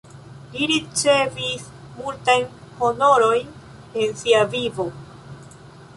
Li ricevis multajn honorojn en sia vivo.